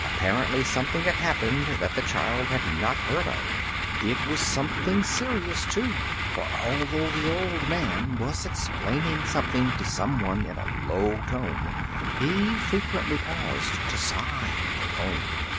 Apparently some thing had happened that the child had not heard of. It was something serious, too, for, although the old man was explaining something to some one in a low *tone, he frequently paused to sigh and groan.